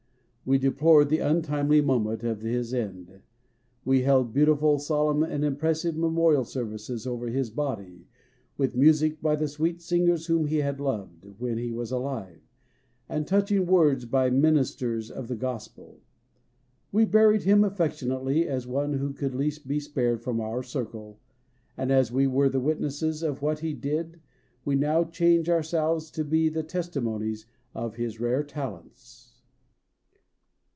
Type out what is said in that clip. We deplored the untimely moment of his end ; we held beautiful, solemn and impressive memorial services over his body, with music by the sweet singers whom he had loved when he was alive, and touching words by ministers of the gospel ; we buried him affectionately, as one who could least be spared from our circle ; and as we were the witnesses of what he did, we now charge ourselves to be the testimonies of his rare talents.